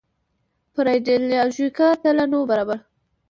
پر ایډیالوژیکه تله نه وو برابر.